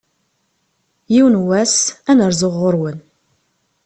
Yiwen wass, ad n-rzuɣ ɣur-wen.